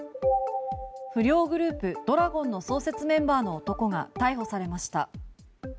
不良グループ、怒羅権の創設メンバーの男が逮捕されました。